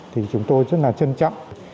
thì chúng tôi rất là trân trọng